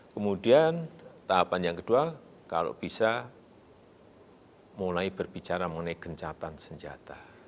kemudian tahapan yang kedua kalau bisa mulai berbicara mengenai gencatan senjata